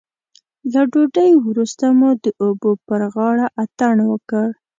له ډوډۍ وروسته مو د اوبو پر غاړه اتڼ وکړ.